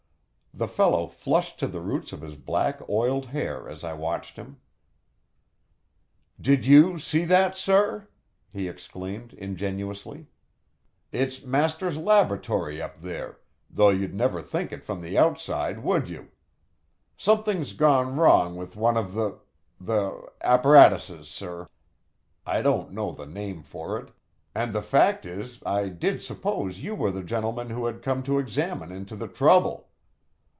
The fellow flushed to the roots of his black oiled hair as I watched him. "Did you see that, sir?" he exclaimed, ingenuously. "It's master's laboratory up there, though you'd never think it from the outside, would you? Something's gone wrong with one of the the apparatuses, sir I don't know the name for it and the fact is I did suppose you were the gentleman who had come to examine into the trouble.